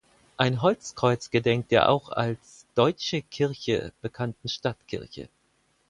Ein Holzkreuz gedenkt der auch als „Deutsche Kirche“ bekannten Stadtkirche.